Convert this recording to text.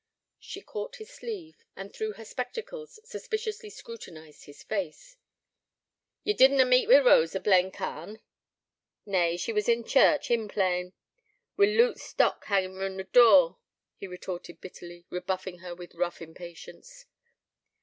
She caught his sleeve, and, through her spectacles, suspiciously scrutinized his face. 'Ye did na meet wi' Rosa Blencarn?' 'Nay, she was in church, hymn playin', wi' Luke Stock hangin' roond door,' he retorted bitterly, rebuffing her with rough impatience.